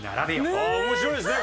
ああ面白いですね